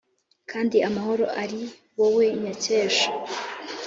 kandi amahoro ari wowe nyakesha.